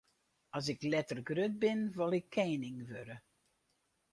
As ik letter grut bin, wol ik kening wurde.